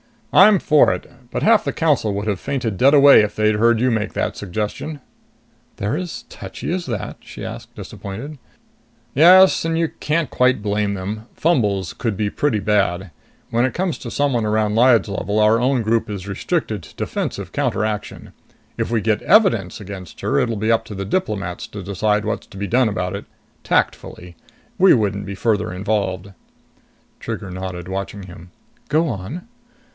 "I'm for it. But half the Council would have fainted dead away if they'd heard you make that suggestion!" "They're as touchy as that?" she asked, disappointed. "Yes and you can't quite blame them. Fumbles could be pretty bad. When it comes to someone around Lyad's level, our own group is restricted to defensive counteraction. If we get evidence against her, it'll be up to the diplomats to decide what's to be done about it. Tactfully. We wouldn't be further involved." Trigger nodded, watching him. "Go on."